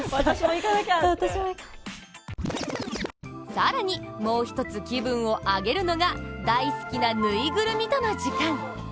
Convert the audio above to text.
更に、もう一つ気分をあげるのが大好きなぬいぐるみとの時間。